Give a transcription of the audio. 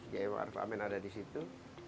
gmrf amin ada disitu